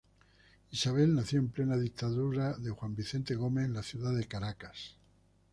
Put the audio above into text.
Isabel nació en plena dictadura de Juan Vicente Gómez en la ciudad de Caracas.